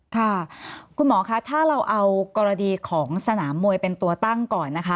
ค่ะคุณหมอคะถ้าเราเอากรณีของสนามมวยเป็นตัวตั้งก่อนนะคะ